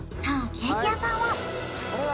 ケーキ屋さんは？